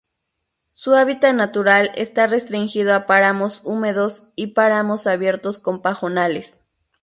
Su hábitat natural está restringido a páramos húmedos y páramos abiertos con pajonales.